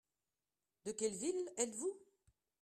De quelle ville êtes-vous ?